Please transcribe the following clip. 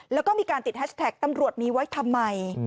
แล้วก็มีการติดแฮชแท็กตำรวจมีไว้ทำไม